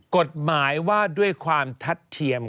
กฎหมายว่าด้วยความทัดเทียม